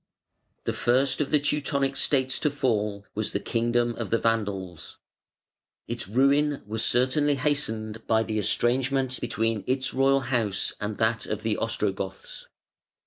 The first of the Teutonic states to fall was the kingdom of the Vandals. Its ruin was certainly hastened by the estrangement between its royal house and that of the Ostrogoths.